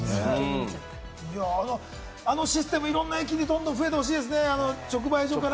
あのシステム、いろんな駅で増えてほしいですね、直売所から。